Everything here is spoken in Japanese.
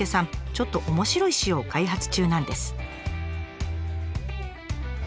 ちょっと面白い塩を開発中なんです。